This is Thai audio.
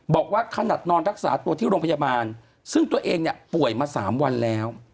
บอกว่าขนาดนอนรักษาตัวที่โรงพยาบาลซึ่งตัวเองเนี่ยป่วยมา๓วันแล้ว